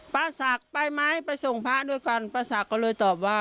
ป้าศักดิ์ไปไหมไปส่งพระด้วยกันป้าศักดิ์ก็เลยตอบว่า